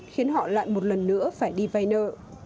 khiến họ lại một lần nữa phải đi vay nợ